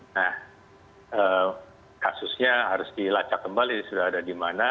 nah kasusnya harus dilacak kembali sudah ada di mana